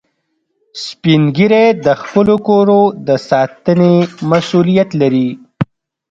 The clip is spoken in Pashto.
سپین ږیری د خپلو کورو د ساتنې مسئولیت لري